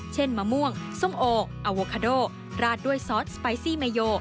มะม่วงส้มโออโวคาโดราดด้วยซอสสไปซี่เมโย